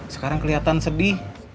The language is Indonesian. sekarang keliatan sedih